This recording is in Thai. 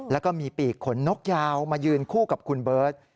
แล้วก็มีปีกขนนกยาวมายืนคู่กับคุณเบิร์ต